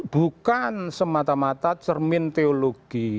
bukan semata mata cermin teologi